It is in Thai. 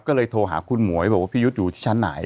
ก็เลยโทรหาคุณหมวยบอกว่าพี่ยุทธ์อยู่ที่ชั้นไหน